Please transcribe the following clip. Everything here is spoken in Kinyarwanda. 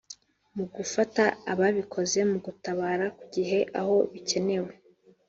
mu gufata ababikoze no gutabara ku gihe aho bikenewe